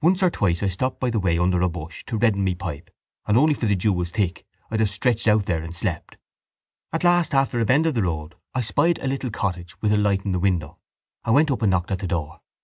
Once or twice I stopped by the way under a bush to redden my pipe and only for the dew was thick I'd have stretched out there and slept. At last, after a bend of the road, I spied a little cottage with a light in the window. I went up and knocked at the door.